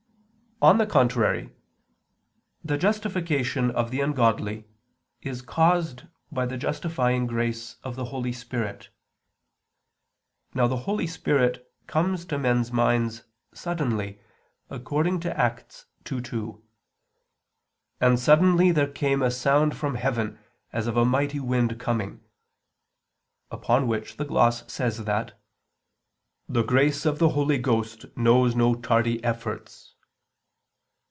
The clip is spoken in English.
On the contrary, The justification of the ungodly is caused by the justifying grace of the Holy Spirit. Now the Holy Spirit comes to men's minds suddenly, according to Acts 2:2: "And suddenly there came a sound from heaven as of a mighty wind coming," upon which the gloss says that "the grace of the Holy Ghost knows no tardy efforts."